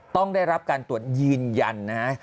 ต้องได้รับการตรวจยืนยันนะฮะ